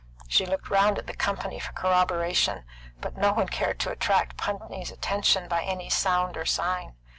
She looked round at the company for corroboration, but no one cared to attract Putney's attention by any sound or sign.